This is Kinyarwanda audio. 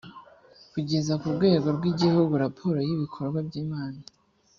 kugeza ku rwego rw’igihugu raporo y’ibikorwa by’inama